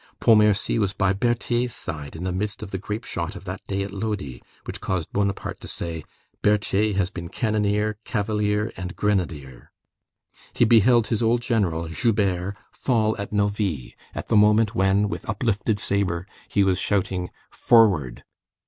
Pontmercy was by Berthier's side in the midst of the grape shot of that day at Lodi which caused Bonaparte to say: "Berthier has been cannoneer, cavalier, and grenadier." He beheld his old general, Joubert, fall at Novi, at the moment when, with uplifted sabre, he was shouting: "Forward!"